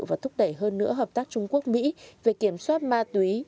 và thúc đẩy hơn nữa hợp tác trung quốc mỹ về kiểm soát ma túy